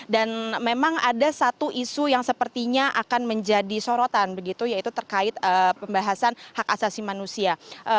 dan memang ada satu isu yang sepertinya akan menjadi sorotan begitu yaitu terkait pembahasan hak asasi manusia